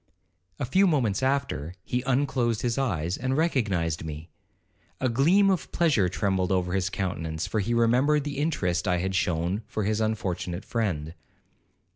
A few moments after, he unclosed his eyes, and recognized me. A gleam of pleasure trembled over his countenance, for he remembered the interest I had shewn for his unfortunate friend.